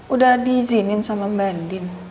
udah diizinin sama mbak din